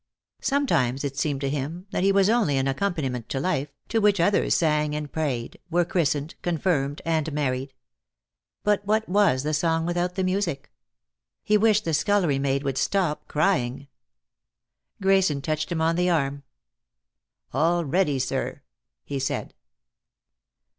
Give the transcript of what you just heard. Sometimes it seemed to him that he was only an accompaniment to life, to which others sang and prayed, were christened, confirmed and married. But what was the song without the music? He wished the scullery maid would stop crying. Grayson touched him on the arm. "All ready, sir," he said.